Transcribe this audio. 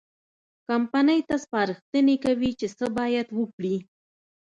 کمپنۍ ته سپارښتنې کوي چې څه باید وکړي.